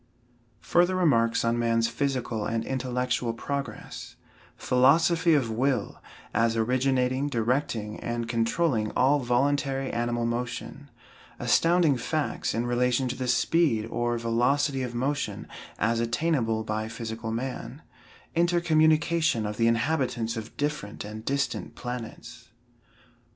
FURTHER REMARKS ON MAN'S PHYSICAL AND INTELLECTUAL PROGRESS PHILOSOPHY OF WILL, AS ORIGINATING, DIRECTING, AND CONTROLLING ALL VOLUNTARY ANIMAL MOTION ASTOUNDING FACTS IN RELATION TO THE SPEED, OR VELOCITY OF MOTION, AS ATTAINABLE BY PHYSICAL MAN INTERCOMMUNICATION OF THE INHABITANTS OF DIFFERENT AND DISTANT PLANETS.